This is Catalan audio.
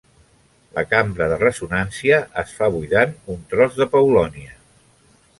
La cambra de ressonància es fa buidant un tros de paulownia.